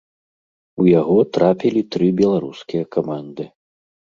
У яго трапілі тры беларускія каманды.